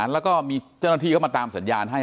แล้วก็มีเจ้าหน้าที่เข้ามาตามสัญญาณให้